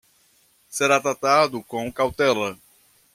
Será tratado com cautela